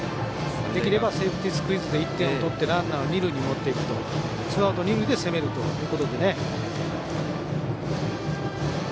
できればセーフティースクイズで１点を取ってランナーを二塁に持っていってツーアウト、二塁で攻めるという。